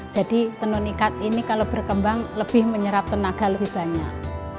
jadi tenun ikat ini kalau berkembang lebih menyerap tenaga lebih banyak